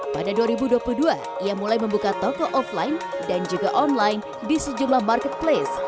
pada dua ribu dua puluh dua ia mulai membuka toko offline dan juga online di sejumlah marketplace